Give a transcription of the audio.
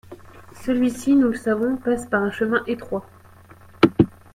Celui-ci, nous le savons, passe par un chemin étroit.